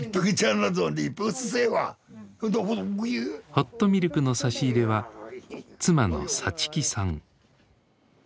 ホットミルクの差し入れは妻のさちきさん。